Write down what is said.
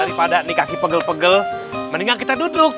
daripada di kaki pegel pegel mendingan kita duduk